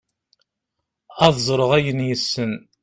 ad ẓreɣ ayen yessen